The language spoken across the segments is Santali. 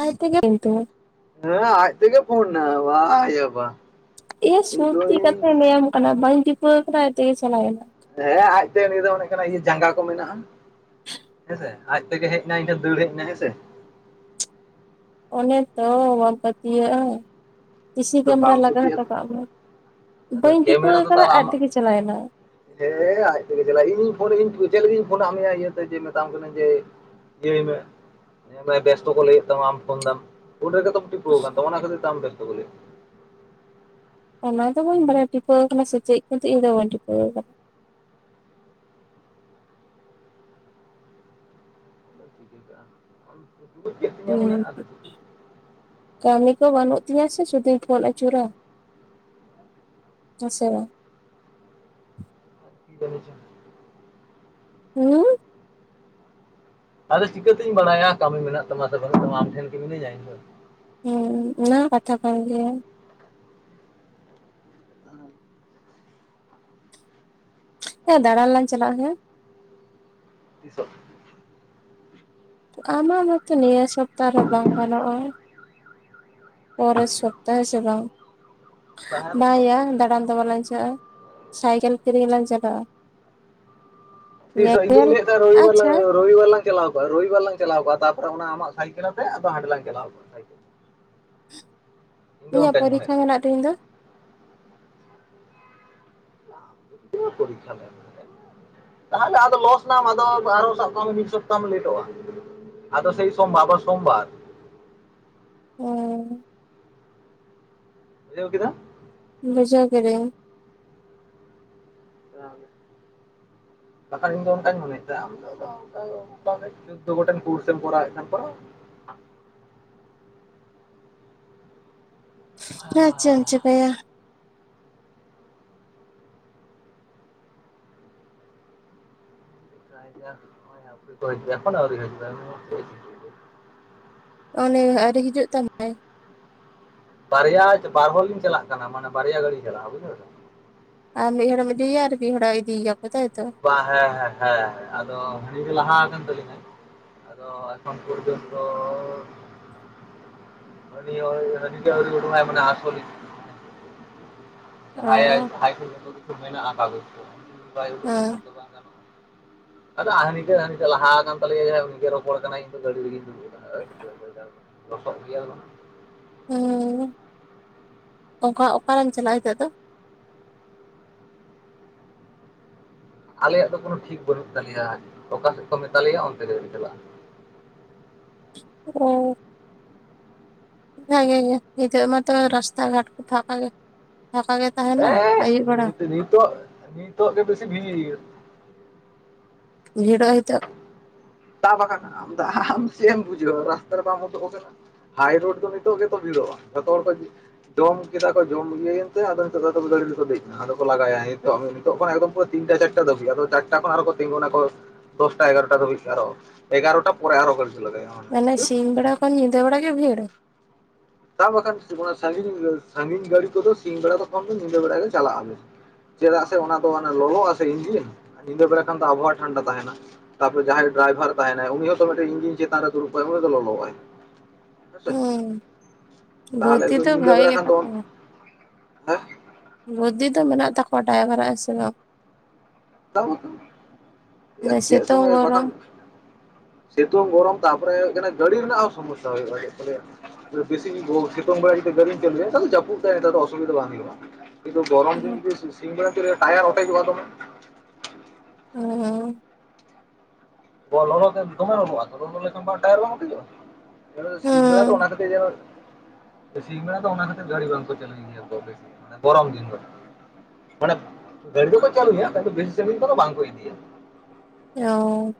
ᱟᱭ ᱛᱮᱜᱮ ᱠᱤᱱᱛᱩ ᱦᱮᱸ ᱟᱡ ᱛᱮᱜᱮ ᱯᱷᱳᱱ ᱱᱟ ᱵᱟᱭᱟ ᱵᱟ ᱮᱭᱟ ᱥᱚᱛᱤ ᱠᱟᱛᱷᱟᱧ ᱞᱟᱹᱭᱟᱢ ᱠᱟᱱᱟ ᱵᱟᱹᱧ ᱴᱷᱤᱯᱟᱹᱣ ᱟᱠᱟᱫᱟ ᱟᱡ ᱛᱮᱜᱮ ᱪᱟᱞᱟᱣ ᱮᱱᱟ᱾ ᱦᱮᱸ ᱟᱡᱛᱮ ᱱᱤᱭᱟᱹ ᱫᱚ ᱢᱚᱱᱮ ᱦᱩᱭᱩᱜ ᱠᱟᱱᱟ ᱤᱭᱟᱹ ᱡᱟᱸᱜᱟ ᱠᱚ ᱢᱮᱱᱟᱜ-ᱟ᱾ ᱦᱮᱸᱥᱮ ᱟᱡ ᱛᱮᱜᱮ ᱦᱮᱡ ᱮᱱᱟ ᱤᱧ ᱴᱷᱮᱱ ᱫᱟᱹᱲ ᱦᱮᱡ ᱮᱱᱟ ᱦᱮᱸ ᱥᱮ᱾ ᱚᱱᱮ ᱛᱚ ᱵᱟᱢ ᱯᱟᱹᱛᱭᱟᱹᱜ-ᱟ ᱥᱤᱥᱤ ᱟᱫᱚ ᱠᱮᱢᱮᱨᱟ ᱵᱟᱢ ᱞᱟᱜᱟᱣ ᱯᱩᱛᱤᱜᱼᱟ ᱦᱚᱴᱚ ᱠᱟᱜ ᱢᱮ᱾ ᱟᱫᱚ ᱵᱟᱹᱧ ᱴᱷᱤᱯᱟᱹᱣ ᱠᱮᱢᱮᱨᱟ ᱫᱚ ᱟᱠᱟᱱᱟ ᱫᱟᱫᱟ ᱟᱡ ᱟᱢᱟᱜ ᱛᱮᱜᱮ ᱪᱟᱞᱟᱣ ᱮᱱᱟ᱾ ᱦᱮᱸ ᱟᱡ ᱛᱮᱜᱮ ᱪᱟᱞᱟᱜ-ᱟ ᱤᱧᱤᱧ ᱯᱷᱳᱱ ᱤᱧ ᱪᱮᱫ ᱞᱟᱹᱜᱤᱫᱧ ᱯᱷᱳᱱᱟᱫ ᱢᱮᱭᱟ ᱤᱭᱟᱹᱛᱮ ᱢᱮᱛᱟᱢ ᱠᱟᱱᱟᱧ ᱡᱮ ᱤᱭᱟᱹᱭ ᱢᱮ ᱵᱮᱥᱛᱚ ᱠᱚ ᱞᱟᱹᱭᱮᱫ ᱛᱟᱢᱟ ᱟᱢ ᱯᱷᱳᱱ ᱫᱟᱢ ᱾ ᱩᱱᱨᱮᱜᱮ ᱛᱚᱢ ᱴᱤᱯᱟᱹᱣ ᱠᱟᱱᱟ ᱚᱱᱟ ᱠᱷᱟᱛᱤᱨ ᱛᱮ ᱟᱢ ᱵᱮᱥᱛᱚ ᱠᱚ ᱞᱟᱹᱭᱮᱫ ᱚᱱᱟ ᱫᱚ ᱵᱟᱹᱧ ᱵᱟᱲᱟᱭ ᱴᱤᱯᱟᱹᱣ ᱟᱠᱟᱱᱟ ᱥᱮ ᱪᱮᱫ ᱠᱤᱱᱛᱩ ᱤᱧ ᱫᱚ ᱵᱟᱹᱧ ᱴᱤᱯᱟᱹᱣ ᱠᱟᱫᱟ ᱾ ᱰᱩᱵᱩᱡ ᱠᱮᱫ ᱜᱤᱭᱟᱢ ᱦᱩᱸ ᱤᱧᱟᱜ ᱟᱫᱚ ᱪᱮᱫ ᱠᱟᱹᱢᱤ ᱠᱚ ᱵᱟᱹᱱᱩᱜ ᱛᱤᱧᱟᱹ ᱥᱮ ᱥᱩᱫᱩᱧ ᱯᱷᱳᱱ ᱟᱹᱪᱩᱨᱟ ᱾ ᱦᱮᱸ ᱥᱮ ᱵᱟᱝ? [inaudible] [unintelligible] ᱟᱫᱚ ᱪᱤᱠᱟᱹᱛᱤᱧ ᱵᱟᱲᱟᱭᱟ ᱠᱟᱹᱢᱤ ᱢᱮᱱᱟᱜ ᱛᱟᱢᱟ ᱥᱮ ᱵᱟᱹᱱᱩᱜ ᱛᱟᱢᱟ ᱟᱢ ᱴᱷᱮᱱ ᱠᱤ ᱢᱤᱱᱟᱹᱧᱟ ᱤᱧ ᱫᱚ ᱾ ᱦᱩᱸ ᱚᱱᱟ ᱦᱚᱸ ᱠᱟᱛᱷᱟ ᱠᱟᱱ ᱜᱮᱭᱟ᱾ [unintelligible] ᱦᱮᱸ ᱫᱟᱬᱟᱱ ᱞᱟᱝ ᱪᱟᱞᱟᱜ-ᱟ ᱦᱮᱸ᱾ [inaudible] ᱟᱢᱟᱜ ᱢᱟᱛᱚ ᱱᱤᱭᱟᱹ ᱥᱚᱯᱛᱟ ᱨᱮ ᱵᱟᱝ ᱜᱟᱱᱚᱜ-ᱟ᱾ ᱯᱚᱨᱮᱨ ᱥᱚᱯᱛᱟᱦᱮ ᱥᱮ ᱵᱟᱝ ᱛᱟᱦᱚᱞᱮ ᱵᱟᱭᱟ ᱫᱟᱬᱟᱱ ᱫᱚ ᱵᱟᱞᱟᱧ ᱪᱟᱜ-ᱟ᱾ ᱥᱟᱭᱠᱮᱞ ᱠᱤᱨᱤᱧ ᱞᱟᱝ ᱪᱟᱞᱟᱜ-ᱟ᱾ ᱛᱤᱥᱚᱜ ᱤᱧ ᱫᱩᱧ ᱞᱟᱹᱭ ᱮᱫ ᱛᱟᱦᱮᱸᱫ ᱨᱩᱵᱤ ᱵᱟᱨ ᱞᱟᱝ ᱟᱪᱪᱷᱟ ᱦᱟᱛᱟᱣᱟ᱾ ᱨᱚᱵᱤᱵᱟᱨ ᱞᱟᱝ ᱪᱟᱞᱟᱣ ᱠᱚ-ᱟ ᱨᱚᱵᱤᱵᱟᱨ ᱞᱟᱝ ᱪᱟᱞᱟᱣ ᱠᱚ-ᱟ ᱛᱟᱯᱚᱨᱮ ᱚᱱᱟ ᱟᱢᱟᱜ ᱥᱟᱭᱠᱮᱞ ᱟᱛᱮᱫ ᱟᱫᱚ ᱦᱟᱸᱰᱮ ᱞᱟᱝ ᱪᱟᱞᱟᱣ ᱠᱚᱜ [inaudible] ᱤᱧᱟᱹᱜ ᱢᱚᱱᱮᱭᱮᱫ ᱯᱚᱨᱤᱠᱠᱷᱟ ᱢᱮᱱᱟᱜ ᱛᱤᱧ ᱫᱚ᱾ [unintelligible] ᱛᱟᱦᱚᱸᱞᱮ ᱟᱫᱚ ᱞᱚᱥ ᱱᱟᱢ ᱟᱫᱚ ᱟᱨᱚᱦᱚᱸ ᱥᱟᱵᱽ ᱠᱟᱜ ᱢᱮ ᱢᱤᱫ ᱥᱚᱯᱛᱟᱢ ᱞᱮᱴᱚᱜ-ᱟ᱾ ᱟᱫᱚ ᱥᱮᱭ ᱥᱚᱢᱵᱟᱨ ᱟᱵᱟᱨ ᱥᱳᱢᱵᱟᱨ᱾ ᱦᱮᱸ᱾ ᱵᱩᱡᱷᱟᱹᱣ ᱠᱮᱫᱟ ᱵᱩᱡᱷᱟᱹᱣ ᱠᱮᱫᱤᱧ᱾ ᱵᱟᱠᱷᱟᱱ ᱤᱧ ᱫᱚ ᱚᱱᱠᱟᱧ ᱢᱚᱱᱮ ᱛᱮᱦᱮᱸᱜ-ᱟ ᱟᱢ ᱫᱚ ᱟᱫᱚ ᱚᱱᱠᱟ ᱜᱮ ᱪᱩᱫᱚ ᱜᱚᱴᱮᱱ ᱠᱩᱨᱥᱮᱢ ᱠᱚᱨᱟᱣ ᱮᱫ ᱠᱷᱟᱱ ᱠᱚᱨᱟᱣ ᱢᱮ᱾ ᱟᱪᱪᱷᱟ ᱟᱪᱪᱷᱟ ᱵᱟᱭᱟ᱾ [unintelligible] ᱠᱚ ᱮᱠᱷᱚᱱ ᱦᱚ ᱟᱹᱣᱨᱤᱭ ᱦᱤᱡᱩᱜ ᱟᱭ [unintelligible] ᱚᱱᱮ ᱟᱹᱣᱨᱤ ᱦᱤᱡᱩᱜ ᱛᱟᱢᱟᱭ᱾ ᱵᱟᱨᱭᱟ ᱵᱟᱨ ᱦᱚᱲ ᱞᱤᱧ ᱪᱟᱞᱟᱜ ᱠᱟᱱᱟ ᱢᱟᱱᱮ ᱵᱟᱨᱭᱟ ᱜᱟᱹᱲᱤ ᱪᱟᱞᱟᱜ-ᱟ ᱵᱩᱡᱷᱟᱹᱣ᱾ ᱟᱢ ᱢᱤᱫ ᱦᱚᱲᱮᱢ ᱤᱫᱤᱭ ᱭᱟ ᱟᱨ ᱢᱤᱫ ᱦᱚᱲᱮ ᱤᱫᱤᱭᱟ ᱠᱚ ᱛᱟᱭᱛᱚ᱾ ᱵᱟᱝ ᱦᱮᱸ ᱦᱮᱸ ᱦᱮᱸ ᱟᱫᱚ ᱩᱱᱤ ᱜᱮ ᱞᱟᱦᱟ ᱟᱠᱟᱱ ᱛᱟᱹᱞᱤᱧᱟ᱾ ᱟᱫᱚ ᱮᱠᱷᱚᱱ ᱯᱚᱨᱡᱚᱱ ᱛᱚ ᱾ ᱦᱟᱹᱱᱤ ᱦᱳᱲ ᱦᱟᱹᱱᱤ ᱜᱮ ᱟᱣᱨᱤ ᱚᱰᱚᱠᱚᱜ-ᱟᱭ ᱢᱟᱱᱮ ᱟᱸᱥᱚᱞᱤᱜ। ᱚ ᱡᱟᱦᱟᱸᱭ ᱟᱡ ᱡᱟᱦᱟᱸᱭ ᱠᱚ ᱢᱮᱱᱟ ᱟᱢᱟᱵᱚᱥᱭᱟ ᱩᱱᱤ ᱵᱟᱭ ᱩᱰᱩᱜ ᱞᱮᱠᱷᱟᱱ ᱦᱮᱸ ᱫᱚ ᱵᱟᱭ ᱜᱟᱱᱚᱜ-ᱟ। ᱟᱫᱚ ᱦᱟᱹᱱᱤ ᱜᱮ ᱦᱟᱹᱱᱤ ᱴᱟᱜ ᱞᱟᱦᱟ ᱟᱠᱟᱱ ᱛᱟᱞᱮᱭᱟ ᱩᱱᱤᱜᱮ ᱨᱚᱯᱚᱲ ᱠᱟᱱᱟᱭ ᱤᱧ ᱫᱚ ᱜᱟᱹᱲᱤ ᱨᱮᱜᱮᱧ ᱫᱩᱲᱩᱵ ᱟᱠᱟᱱᱟ ᱟᱪᱪᱷᱟ ᱟᱪᱪᱷᱟ। ᱞᱚᱥᱚᱜ ᱜᱮᱭᱟ ᱞᱟᱝ? ᱦᱩᱸ ᱚᱠᱟ ᱚᱠᱟᱨᱮᱢ ᱪᱟᱞᱟᱜ-ᱟ ᱱᱤᱛᱚᱜ ᱫᱚ? ᱟᱞᱮᱭᱟᱜ ᱫᱚ ᱠᱳᱱᱳ ᱴᱷᱤᱠ ᱵᱟᱹᱱᱩᱜ ᱛᱟᱞᱮᱭᱟ, ᱚᱠᱟ ᱥᱮᱫ ᱠᱚ ᱢᱮᱛᱟ ᱞᱮᱭᱟ ᱚᱱᱛᱮ ᱜᱮᱞᱮ ᱪᱟᱞᱟᱜ-ᱟ। ᱦᱩᱸ᱾ [unintelligible] ᱱᱤᱛᱚᱜ ᱢᱟᱛᱚ ᱨᱟᱥᱛᱟ ᱜᱷᱟᱴ ᱠᱚ ᱯᱷᱟᱸᱠᱟ ᱜᱮᱭᱟ ᱯᱷᱟᱸᱠᱟ ᱜᱮ ᱛᱟᱦᱮᱱᱟ ᱮᱦ ᱟᱹᱭᱩᱵ ᱵᱮᱲᱟ ᱱᱤᱛᱚᱜ ᱱᱤᱛᱚᱜ ᱜᱮ ᱵᱮᱥᱤ ᱵᱷᱤᱲ। ᱵᱷᱤᱲᱚᱜ-ᱟ ᱦᱤᱛᱚᱜ। ᱛᱟ ᱵᱟᱠᱷᱟᱱ ᱟᱢ ᱟᱢ ᱪᱮᱫ ᱮᱢ ᱵᱩᱡᱷᱟᱹᱣᱟ ᱨᱟᱥᱛᱟ ᱨᱮ ᱵᱟᱢ ᱩᱰᱩᱠ ᱟᱠᱟᱱᱟ। ᱦᱟᱭ ᱨᱳᱰ ᱫᱚ ᱱᱤᱛᱚᱜ ᱜᱮᱛᱚ ᱵᱷᱤᱲᱚᱜ-ᱟ ᱡᱷᱚᱛᱚ ᱦᱚᱲ ᱠᱚ ᱡᱚᱢ ᱠᱮᱫᱟ ᱠᱚ ᱡᱚᱢ ᱤᱭᱟᱹ ᱮᱱᱛᱮ ᱟᱫᱚ ᱱᱤᱛᱚᱜ ᱫᱚ ᱜᱟᱹᱰᱤ ᱨᱮ ᱠᱚ ᱫᱮᱡ ᱮᱱᱟ ᱟᱫᱚ ᱠᱚ ᱞᱟᱜᱟᱭᱟ ᱱᱤᱛᱚᱜ ᱱᱤᱛᱚᱜ ᱠᱷᱚᱱ ᱮᱠᱚᱫᱢ ᱯᱩᱨᱟᱹ ᱛᱤᱱᱴᱟ ᱪᱟᱨᱴᱟ ᱫᱷᱟᱹᱵᱤᱡ ᱟᱫᱚ ᱪᱟᱨᱴᱟ ᱠᱷᱚᱱ ᱟᱨᱚ ᱛᱤᱜᱩ ᱱᱟᱠᱚ ᱫᱚᱥᱴᱟ ᱮᱜᱟᱨᱳᱴᱟ ᱫᱷᱟᱹᱵᱤᱡ। ᱮᱜᱟᱨᱳ ᱮᱜᱟᱨᱴᱟ ᱯᱚᱨᱮ ᱟᱨᱦᱚᱸ ᱜᱟᱹᱲᱤ ᱠᱚ ᱞᱟᱜᱟᱭᱟ। ᱢᱟᱱᱮ ᱥᱤᱧ ᱵᱮᱲᱟ ᱠᱷᱚᱱ ᱧᱤᱫᱟᱹ ᱵᱮᱲᱟ ᱜᱮ ᱵᱷᱤᱲ। ᱛᱟ ᱵᱟᱠᱷᱟᱱ ᱜᱚᱲᱟ ᱥᱟᱹᱜᱤᱧ ᱥᱟᱹᱜᱤᱧ ᱜᱟᱹᱲᱤ ᱠᱚ ᱫᱚ ᱥᱤᱧ ᱵᱮᱲᱟ ᱠᱷᱚᱱ ᱫᱚ ᱧᱤᱫᱟᱹ ᱵᱮᱲᱟ ᱜᱮ ᱪᱟᱞᱟᱜ-ᱟ ᱵᱮᱥᱤ᱾ ᱪᱮᱫᱟᱜ ᱥᱮ ᱚᱱᱟ ᱫᱚ ᱞᱚᱞᱚᱜ-ᱟ ᱥᱮ ᱤᱱᱡᱤᱱ ᱧᱤᱫᱟᱹ ᱵᱮᱲᱟ ᱠᱷᱟᱱ ᱫᱚ ᱟᱵᱚᱦᱣᱟ ᱴᱷᱟᱱᱰᱟ ᱛᱟᱦᱮᱸᱱᱟ। ᱛᱟᱯᱚᱨᱮ ᱡᱟᱦᱟᱸᱭ ᱰᱨᱟᱭᱵᱷᱟᱨ ᱛᱟᱦᱮᱸᱱᱟᱭ ᱩᱱᱤ ᱦᱚᱸᱛᱚ ᱢᱤᱫ ᱴᱮᱱ ᱤᱧᱡᱤᱱ ᱪᱮᱛᱟᱱ ᱨᱮ ᱫᱩᱲᱩᱵ-ᱟᱭ ᱩᱱᱤ ᱫᱚ ᱞᱚᱞᱚ-ᱟᱭ। ᱦᱮᱸ ᱛᱟᱦᱚᱞᱮ ᱵᱳᱫᱽᱫᱷᱤ ᱫᱚ ᱧᱤᱫᱟᱹ ᱵᱷᱟᱜᱮ ᱵᱮᱲᱟ ᱠᱷᱟᱱ ᱜᱮᱛᱟ ᱫᱚ ᱠᱚᱣᱟ᱾ [unintelligible] ᱵᱩᱫᱽᱫᱷᱤ ᱫᱚ ᱢᱮᱱᱟᱜ ᱛᱟᱠᱚᱣᱟ ᱰᱟᱭᱵᱷᱟᱨᱟᱜ ᱦᱮᱸ ᱥᱮ ᱵᱟᱝ? [inaudible] ᱪᱮᱫ ᱥᱤᱛᱩᱝ ᱥᱚᱢᱚᱭ ᱜᱚᱨᱚᱢ ᱵᱟᱠᱷᱟᱱ। ᱥᱤᱛᱩᱝ ᱜᱚᱨᱚᱢ ᱛᱟᱯᱚᱨᱮ ᱦᱩᱭᱩᱜ ᱠᱟᱱᱟ ᱜᱟᱹᱲᱤ ᱨᱮᱱᱟᱜ ᱦᱚᱸ ᱥᱚᱢᱚᱥᱥᱟ ᱦᱩᱭᱩᱜ-ᱟ ᱪᱮᱫ ᱠᱚ ᱞᱟᱹᱭᱟ। ᱵᱮᱥᱤ ᱵᱷᱳ ᱥᱤᱛᱩᱝ ᱵᱮᱲᱟ ᱡᱩᱫᱤ ᱜᱟᱹᱰᱤᱧ ᱪᱟᱹᱞᱩᱭᱟ ᱱᱮᱛᱟᱨ ᱫᱚ ᱡᱟᱹᱯᱩᱫ ᱫᱟᱭ ᱚᱥᱩᱵᱤᱫᱷᱟ ᱵᱟᱝ ᱦᱩᱭᱩᱜ-ᱟ। ᱠᱤᱱᱛᱩ ᱜᱚᱨᱚᱢ ᱦᱩᱸ ᱫᱤᱱ ᱜᱮ ᱥᱮ ᱥᱤᱧ ᱵᱮᱲᱟ ᱴᱟᱭᱟᱨ ᱚᱴᱮᱡᱚᱜᱼᱟ ᱫᱚᱢᱮ᱾ ᱦᱩᱸ ᱵᱚᱞᱚᱞᱚ ᱛᱮ ᱫᱚᱢᱮ ᱞᱚᱞᱚ ᱟᱫᱚ ᱫᱚᱢᱮ ᱞᱚᱞᱚ ᱞᱮᱠᱷᱟᱱ ᱴᱟᱭᱟᱨ ᱵᱟᱝ ᱚᱴᱮᱡᱚᱜᱼᱟ? ᱮᱱ ᱦᱤᱞᱤᱜ ᱥᱤᱧᱵᱮᱲᱟ ᱫᱚ ᱦᱩᱸ ᱚᱱᱟ ᱠᱚᱜᱮ ᱧᱮᱞ ᱥᱤᱧ ᱵᱮᱲᱟ ᱫᱚ ᱚᱱᱟ ᱠᱷᱟᱹᱛᱤᱨ ᱜᱟᱹᱲᱤ ᱵᱟᱝᱠᱚ ᱠᱚ ᱪᱟᱹᱞᱩᱭ ᱜᱮᱭᱟ ᱵᱮᱥᱤ ᱜᱚᱨᱚᱢ ᱫᱤᱱ ᱫᱚ᱾ ᱢᱟᱱᱮ ᱜᱟᱹᱲᱤ ᱫᱚ ᱠᱚ ᱪᱟᱞᱩᱭᱟ ᱢᱮᱱᱫᱚ ᱵᱮᱥᱤ ᱥᱟᱺᱜᱤᱧ ᱠᱚᱫᱚ ᱵᱟᱝ ᱠᱚ ᱤᱫᱤᱭᱟ᱾ ᱮᱭᱳᱯ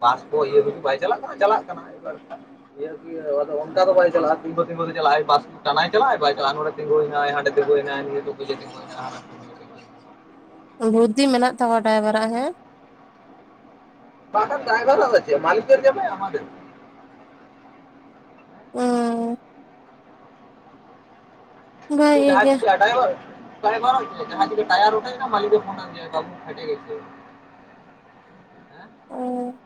ᱵᱟᱥ ᱠᱚ ᱤᱭᱟᱹ ᱠᱚ ᱵᱟᱭ ᱪᱟᱞᱟᱜ ᱠᱟᱱᱟ ᱪᱟᱞᱟᱜ ᱠᱟᱱᱟ ᱢᱤᱫ ᱵᱟᱨ ᱧᱮᱞᱵᱤ ᱟᱫᱚ ᱚᱱᱠᱟ ᱫᱚ ᱵᱟᱭ ᱪᱟᱞᱟᱜᱼᱟ ᱛᱤᱜᱩ ᱛᱤᱜᱩ ᱛᱮ ᱪᱟᱞᱟᱜᱼᱟᱭ ᱵᱟᱥ ᱴᱟᱱᱟᱭ ᱪᱟᱞᱟᱜᱼᱟ ᱵᱟᱭ ᱪᱟᱞᱟᱜᱼᱟ ᱱᱚᱰᱮ ᱛᱤᱸᱜᱩᱭ ᱱᱟᱭ ᱦᱟᱸᱰᱮᱜ ᱛᱤᱸᱜᱩᱭ ᱱᱟᱭ ᱱᱤᱭᱟᱹ [unintelligible] ᱵᱩᱫᱫᱷᱤ ᱢᱮᱱᱟᱜ ᱛᱟᱢᱟ ᱰᱟᱭᱵᱷᱟᱨᱟᱜ ᱦᱮᱸ ᱵᱟᱝᱠᱷᱟᱱ ᱰᱨᱟᱭᱵᱷᱟᱨ ᱫᱚ ᱟᱫᱚ ᱪᱮᱫ ᱢᱟᱞᱤᱠ ᱴᱷᱮᱫ ᱮᱢ ᱡᱟᱢᱟᱭᱟ ᱟᱢᱟᱫᱮᱨ ᱩᱸ ᱡᱮᱫᱤ ᱵᱷᱟᱜᱮ ᱡᱟᱦᱟᱸ ᱜᱮ ᱪᱤᱠᱟᱹ ᱟᱭ ᱰᱟᱭᱵᱟᱨ ᱰᱟᱭᱵᱟᱨ ᱟᱜ ᱫᱚ ᱪᱮᱫ ᱡᱟᱦᱟᱸ ᱪᱤᱠᱟᱹ ᱴᱟᱭᱟᱨ ᱚᱴᱮᱡᱱᱟ ᱢᱟᱹᱞᱤᱠᱮ ᱯᱷᱳᱱ ᱟᱫᱤᱭᱟ ᱵᱟᱵᱩ ᱯᱷᱟᱴᱮ ᱜᱮᱪᱷᱮ᱾ ᱦᱮᱸ ᱚ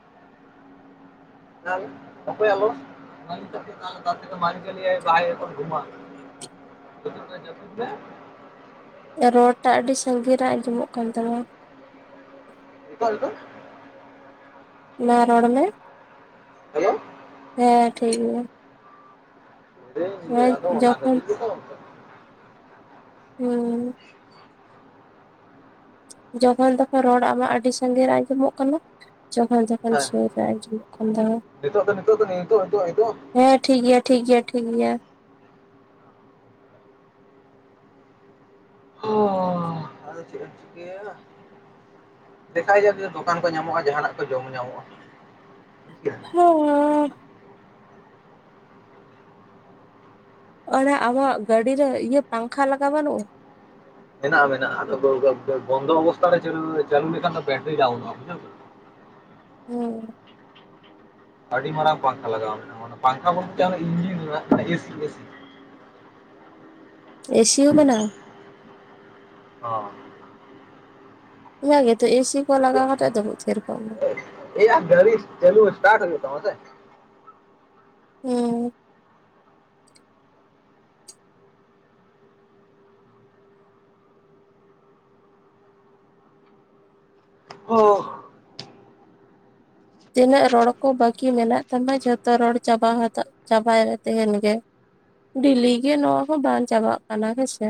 ᱛᱟᱦᱞᱮ ᱚᱠᱚᱭᱟᱜ ᱞᱚᱥ ᱢᱟᱹᱞᱤᱠᱟᱜ ᱜᱮ ᱛᱟᱨ ᱛᱟᱨᱛᱷᱮᱠᱮ ᱢᱟᱞᱤᱠᱮ ᱞᱟᱹᱭᱟᱭ ᱵᱷᱟᱹᱭ ᱮᱠᱷᱚᱱ ᱜᱷᱩᱢᱟ ᱡᱟᱹᱯᱤᱫᱽ ᱢᱮᱸ ᱡᱟᱹᱯᱤᱫᱽ ᱢᱮᱸ ᱨᱚᱲ ᱴᱟᱜ ᱟᱹᱰᱤ ᱥᱟᱺᱜᱤᱧ ᱨᱮ ᱟᱸᱡᱚᱢᱚᱜ ᱠᱟᱱ ᱛᱟᱢᱟ ᱱᱤᱛᱚᱜ ᱱᱤᱛᱚᱜ ᱢᱟᱸ ᱨᱚᱲ ᱢᱮ ᱦᱮᱞᱳ ᱦᱮᱸ ᱴᱷᱤᱠ ᱜᱮᱭᱟ ᱞᱟᱹᱭᱫᱟᱹᱧ ᱦᱮᱸ ᱟᱫᱚ ᱚᱱᱟ ᱡᱚᱠᱷᱚᱱ ᱠᱷᱟᱹᱛᱤᱨ ᱜᱮᱛᱚ ᱦᱩᱸ ᱡᱚᱠᱷᱚᱱ ᱛᱚᱠᱷᱚᱱ ᱨᱚᱲ ᱟᱢᱟᱜ ᱟᱹᱰᱤ ᱥᱟᱸᱜᱤᱧ ᱨᱮ ᱟᱸᱡᱚᱢᱚᱜ ᱠᱟᱱᱟ ᱡᱚᱠᱷᱚᱱ ᱡᱟ ᱠᱚᱱ ᱦᱮᱸ ᱥᱚᱢᱚᱭ ᱫᱚ ᱟᱸᱡᱚᱢᱚᱜ ᱠᱟᱱ ᱛᱟᱢᱟ ᱱᱤᱛᱚᱜ ᱫᱚ ᱱᱤᱛᱚᱜ ᱫᱚ ᱱᱤᱛᱚᱜ ᱱᱤᱛᱚᱜ ᱱᱤᱛᱚᱜ ᱦᱮᱸ ᱴᱷᱤᱠ ᱜᱮᱭᱟ ᱴᱷᱤᱠ ᱜᱮᱭᱟ ᱴᱷᱤᱠ ᱜᱮᱭᱟ ᱚᱻ ᱟᱫᱚ ᱪᱮᱫ ᱮᱢ ᱪᱤᱠᱟᱭᱟ ᱫᱮᱠᱟᱭᱟ ᱡᱟᱠ ᱫᱚᱠᱟᱱ ᱠᱚ ᱧᱟᱢᱚᱜᱼᱟ ᱡᱟᱦᱟᱱᱟᱜ ᱠᱚ ᱡᱚᱢ ᱧᱟᱢᱚᱜᱼᱟ ᱦᱮᱸᱻ ᱚᱱᱟ ᱟᱢᱟᱜ ᱜᱟᱹᱰᱤ ᱨᱮ ᱤᱭᱟᱹ ᱯᱟᱝᱠᱷᱟ ᱞᱟᱜᱟᱣ ᱵᱟᱱᱩᱜᱼᱟ? ᱢᱮᱱᱟᱜᱼᱟ ᱢᱮᱱᱟᱜᱼᱟ ᱟᱫᱚ ᱵᱚᱱᱫᱚ ᱚᱵᱚᱥᱛᱛᱟ ᱨᱮ ᱪᱟᱹᱞᱩ ᱞᱮᱠᱷᱟᱱ ᱫᱚ ᱵᱮᱴᱨᱤ ᱰᱟᱣᱩᱱᱚᱜᱼᱟ ᱵᱩᱡᱷᱟᱹᱣ ᱠᱮᱫᱟ ᱦᱩᱸ ᱟᱹᱰᱤ ᱢᱟᱨᱟᱝ ᱯᱟᱝᱠᱷᱟ ᱞᱟᱜᱟᱣ ᱢᱮᱱᱟᱜᱼᱟ ᱯᱟᱝᱠᱷᱟ ᱵᱚᱞᱛᱮ ᱚᱱᱟ ᱤᱧᱡᱤᱱ ᱨᱮᱱᱟᱜ ᱠᱟᱱᱟ ᱮᱥᱤ ᱮᱥᱤ ᱮᱥᱤ ᱦᱚᱸ ᱢᱮᱱᱟᱜᱼᱟ? ᱦᱚᱸ ᱚᱱᱟ ᱜᱮᱛᱚ ᱮᱥᱤ ᱠᱚ ᱞᱟᱜᱟᱣ ᱠᱟᱛᱮᱜ ᱫᱩᱨᱩᱯ ᱛᱷᱤᱨ ᱠᱚᱜ ᱢᱮ ᱮᱭ ᱜᱟᱹᱲᱤ ᱪᱟᱹᱞᱩ ᱥᱴᱟᱨᱴ ᱦᱩᱭᱩᱜ ᱛᱟᱢᱟ ᱥᱮ ᱦᱮ ᱦᱳ ᱛᱤᱱᱟᱹᱜ ᱨᱚᱲ ᱠᱚ ᱵᱟᱹᱠᱤ ᱢᱮᱱᱟᱜ ᱛᱟᱢᱟ ᱡᱷᱚᱛᱚ ᱨᱚᱲ ᱪᱟᱵᱟ ᱦᱟᱛ ᱪᱟᱵᱟᱭ ᱢᱮ ᱛᱮᱦᱮᱱ ᱜᱮ ᱰᱮᱞᱤ ᱜᱮ ᱱᱚᱣᱟ ᱦᱚᱸ ᱵᱟᱝ ᱪᱟᱵᱟᱜ ᱠᱟᱱᱟ ᱦᱮᱸᱥᱮ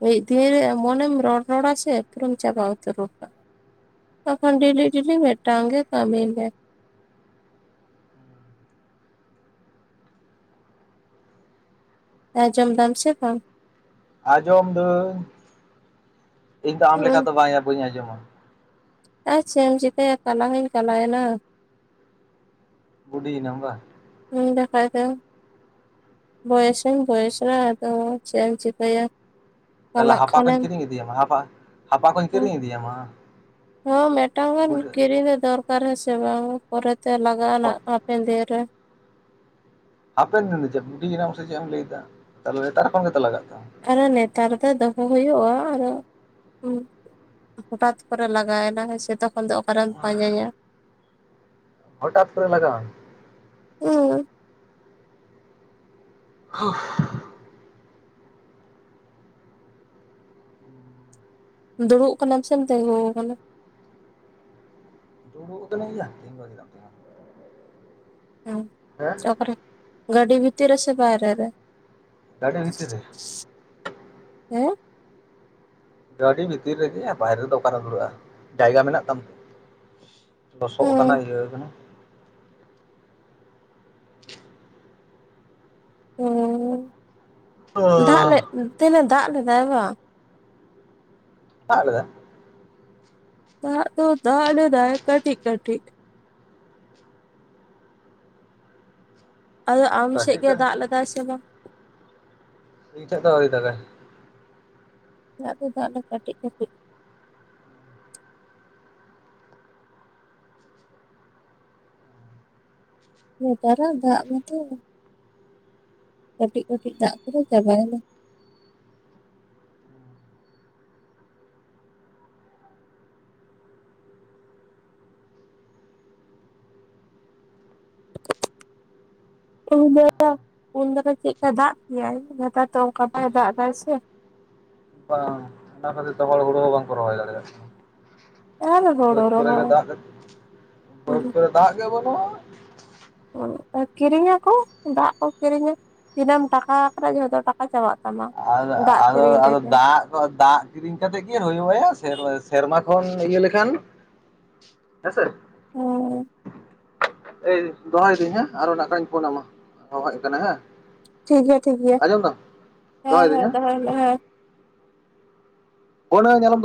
ᱢᱤᱫ ᱫᱤᱱ ᱨᱮ ᱮᱢᱚᱱ ᱮᱢ ᱨᱚᱲ ᱨᱚᱲᱟ ᱥᱮ ᱯᱩᱨᱟᱹᱢ ᱪᱟᱵᱟ ᱩᱛᱟᱹᱨ ᱜᱚᱜ ᱠᱟᱜ ᱵᱟᱠᱷᱚᱱ ᱰᱮᱞᱤ ᱰᱮᱞᱤ ᱢᱤᱫᱴᱟᱝ ᱜᱮ ᱠᱟᱹᱢᱤ ᱢᱮ ᱟᱸᱡᱚᱢ ᱫᱟᱢ ᱥᱮ ᱵᱟᱝ? ᱟᱸᱡᱚᱢ ᱫᱟᱹᱧ ᱤᱧ ᱫᱚ ᱟᱢ ᱞᱮᱠᱟ ᱦᱩᱸ ᱫᱚ ᱵᱟᱝᱭᱟ ᱵᱟᱹᱧ ᱟᱸᱡᱚᱢᱟ᱾ ᱟᱨ ᱪᱮᱢ ᱪᱤᱠᱟᱹᱭᱟ ᱠᱟᱞᱟ ᱦᱚᱧ ᱠᱟᱞᱟᱭ ᱱᱟ᱾ ᱵᱩᱰᱤᱭᱱᱟᱢ ᱵᱟᱝ᱾ ᱦᱩᱸ ᱵᱟᱠᱷᱟᱡ ᱫᱚ᱾ ᱵᱚᱭᱮᱥ ᱦᱚᱧ ᱵᱚᱭᱮᱥ ᱱᱟ ᱟᱫᱚ ᱪᱮᱫ ᱪᱤᱠᱟᱹᱭᱟ᱾ ᱛᱟᱦᱚᱞᱮ ᱠᱟᱞᱟᱜ ᱦᱟᱯᱟ ᱠᱚᱧ ᱠᱷᱟᱱᱮᱢ ᱠᱤᱨᱤᱧ ᱤᱫᱤᱭᱟᱢᱟ ᱦᱟᱯᱟ ᱦᱟᱯᱟ ᱠᱚᱧ ᱠᱤᱨᱤᱧ ᱤᱫᱤᱭᱟᱢᱟ᱾ ᱦᱚᱸ ᱢᱤᱫᱴᱟᱝ ᱜᱟᱱ ᱵᱩᱰᱷᱟᱹ ᱠᱤᱨᱤᱧ ᱫᱚ ᱫᱚᱨᱠᱟᱨ ᱦᱮᱸᱥᱮ ᱵᱟᱝ ᱯᱚᱨᱮᱛᱮ ᱞᱟᱜᱟᱜᱼᱟ ᱱᱟᱜ ᱦᱟᱯᱮᱱ ᱫᱤᱱ ᱨᱮ᱾ ᱦᱟᱯᱮᱱ ᱫᱤᱱ ᱫᱚ ᱪᱮᱫ ᱵᱩᱰᱤᱭᱱᱟᱢ ᱥᱮ ᱪᱮᱫ ᱮᱢ ᱞᱟᱹᱭᱮᱫᱟ ᱛᱟᱦᱚᱞᱮ ᱱᱮᱛᱟᱨ ᱠᱷᱚᱱ ᱜᱮᱛᱚ ᱞᱟᱜᱟᱜ ᱛᱟᱢᱟ᱾ ᱟᱨᱮ ᱱᱮᱛᱟᱨ ᱫᱚ ᱫᱚᱦᱚ ᱦᱩᱭᱩᱜᱼᱟ ᱟᱨᱦᱚ ᱦᱩᱸ ᱦᱚᱴᱟᱛ ᱠᱚᱨᱮ ᱞᱟᱜᱟᱣᱮᱱᱟ ᱦᱮᱸᱥᱮ ᱛᱚᱠᱷᱚᱱ ᱫᱚ ᱚᱠᱟᱨᱮᱢ ᱛᱟᱢᱟ ᱯᱟᱸᱡᱟᱭᱟ᱾ ᱦᱚᱴᱟᱛ ᱠᱚᱨᱮ ᱞᱟᱜᱟᱣᱟᱢ᱾ ᱦᱳᱭ᱾ [unintelligible] ᱫᱩᱲᱩᱵ ᱠᱟᱱᱟᱢ ᱥᱮᱢ ᱛᱮᱸᱜᱳ ᱟᱠᱟᱱᱟ? ᱫᱩᱲᱩᱵ ᱠᱟᱱᱟᱣᱭᱟ [unintelligible] ᱦᱩᱸ ᱛᱟᱯᱚᱨᱮ ᱜᱟᱹᱰᱤ ᱵᱷᱤᱛᱤᱨ ᱨᱮ ᱥᱮ ᱵᱟᱭᱨᱮ ᱨᱮ? ᱜᱟᱹᱰᱤ ᱵᱷᱤᱛᱤᱨ ᱨᱮ᱾ ᱦᱮᱸ ᱜᱟᱹᱰᱤ ᱵᱷᱤᱛᱤᱨ ᱨᱮᱜᱮᱭᱟ ᱵᱟᱦᱨᱮ ᱨᱮᱫᱚ ᱚᱠᱟᱨᱮᱢ ᱫᱩᱲᱩᱵᱼᱟ ᱡᱟᱭᱜᱟ ᱢᱮᱱᱟᱜ ᱛᱟᱢᱛᱮ? ᱞᱚᱥᱚᱜ ᱠᱟᱱᱟ ᱤᱭᱟᱹ ᱠᱟᱱᱟ᱾ ᱦᱳᱭ ᱚᱻ ᱫᱟᱜ ᱞᱮᱜᱛᱮ ᱛᱮᱦᱮᱧ ᱫᱚ ᱫᱟᱜ ᱞᱮᱫᱟᱭ ᱵᱟᱝ? ᱫᱟᱜ ᱞᱮᱫᱟᱭ ᱫᱟᱜ ᱫᱚ ᱫᱟᱜ ᱞᱮᱫᱟᱭ ᱠᱟᱹᱴᱤᱡ ᱠᱟᱹᱴᱤᱡ᱾ ᱟᱫᱚ ᱟᱢ ᱥᱮᱫ ᱠᱟᱹᱴᱤᱡ ᱜᱮ ᱫᱚ ᱫᱟᱜ ᱞᱮᱫᱟᱭ ᱥᱮ ᱵᱟᱝ᱾ ᱤᱧ ᱥᱮᱫ ᱫᱚ ᱟᱹᱣᱨᱤ ᱫᱟᱜ ᱜᱟᱭ᱾ ᱫᱟᱜ ᱫᱚ ᱫᱟᱜ ᱞᱮᱫᱟᱭ ᱠᱟᱹᱴᱤᱡ ᱠᱟᱹᱴᱤᱡ᱾ ᱱᱮᱛᱟᱨᱟᱜ ᱫᱟᱜ ᱢᱟᱛᱚ᱾ ᱠᱟᱹᱴᱤᱡ ᱠᱟᱹᱴᱤᱡ ᱫᱟᱜ ᱠᱮᱫᱟᱭ ᱪᱟᱵᱟᱭᱱᱟ᱾ [inaudible] ᱩᱱ ᱫᱟᱨᱟ ᱩᱱ ᱫᱟᱨᱟ ᱪᱮᱫᱠᱟᱭ ᱫᱟᱜ ᱠᱮᱭᱟᱭ ᱱᱮᱛᱟᱨ ᱛᱚ ᱚᱱᱠᱟ ᱵᱟᱭ ᱫᱟᱜ ᱮᱫᱟ ᱥᱮ᱾ ᱵᱟᱝ ᱚᱱᱟ ᱠᱷᱟᱹᱛᱤᱨ ᱛᱮ ᱦᱚᱲ ᱦᱩᱲᱩ ᱦᱚᱸ ᱵᱟᱝᱠᱚ ᱨᱚᱦᱚᱭ ᱫᱟᱲᱮᱭᱟᱜ ᱠᱟᱱᱟ᱾ ᱟᱨ ᱦᱳᱲᱳ ᱵᱟᱹᱫᱽ ᱠᱚᱨᱮ ᱜᱮ ᱨᱚᱦᱚᱭ ᱫᱟᱜ, ᱵᱟᱹᱫᱽ ᱠᱚᱨᱮ ᱫᱟᱜ ᱜᱮ ᱵᱟᱹᱱᱩᱜᱼᱟ᱾ ᱚ ᱠᱤᱨᱤᱧᱟ ᱠᱚ ᱫᱟᱜ ᱠᱚ ᱠᱤᱨᱤᱧᱟ᱾ ᱛᱤᱱᱟᱹᱜ ᱮᱢ ᱴᱟᱠᱟ ᱟᱠᱟ ᱡᱷᱚᱛᱚ ᱴᱟᱠᱟ ᱪᱟᱵᱟᱜ ᱛᱟᱢᱟ᱾ ᱟᱫᱚ ᱫᱟᱜ ᱟᱫᱚ ᱠᱤᱨᱤᱧ ᱟᱫᱚ ᱛᱮᱜᱮ ᱫᱟᱜ ᱛᱚ ᱫᱟᱜ ᱠᱤᱨᱤᱧ ᱠᱟᱛᱮᱫ ᱠᱤ ᱦᱩᱭᱩᱜ-ᱟ ᱥᱮᱨ, ᱥᱮᱨᱢᱟ ᱠᱷᱚᱱ ᱤᱭᱟᱹ ᱞᱮᱠᱷᱟᱱ ᱦᱮᱸᱥᱮ ᱦᱩᱸ ᱮᱭ ᱫᱚᱦᱚᱭ ᱫᱟᱹᱧ ᱦᱮᱸ ᱟᱨᱦᱚ ᱚᱱᱟ ᱱᱟᱠᱷᱟᱱᱤᱧ ᱯᱷᱳᱱ ᱟᱢᱟ ᱦᱚᱦᱟᱭ ᱦᱮᱡ ᱠᱟᱱᱟ ᱦᱮᱸ᱾ ᱴᱷᱤᱠ ᱜᱮᱭᱟ, ᱴᱷᱤᱠ ᱜᱮᱭᱟ, ᱟᱸᱡᱚᱢ ᱫᱟᱢ ᱦᱮᱸ, ᱦᱮᱸ ᱫᱚᱦᱚᱭ ᱢᱮ ᱦᱮᱸ᱾ ᱚᱱᱮ ᱧᱮᱞᱟᱢ ᱛᱚ